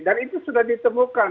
dan itu sudah ditemukan